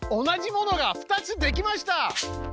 同じものが２つできました。